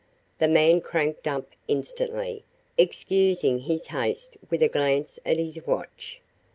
The man cranked up instantly, excusing his haste with a glance at his watch.